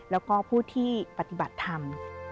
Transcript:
แล้วก็ผู้ที่ปฏิบัติธรรม